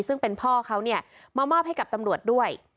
ซึ่งเป็นพ่อเขาเนี่ยมามอบให้กับตำรวจด้วย